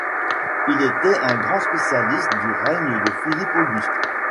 Il était un grand spécialiste du règne de Philippe Auguste.